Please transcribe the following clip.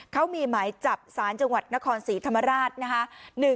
เขามีหมายจับสารจังหวัดนครศรีธรรมราชนะคะ